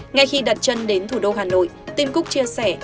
ngay khi đặt chân đến thủ đô hà nội tim cúc chia sẻ